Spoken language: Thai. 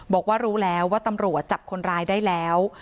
บอกว่ารู้แล้วว่าตำรวจจับคนร้ายได้แล้ว